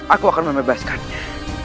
aku akan membebaskannya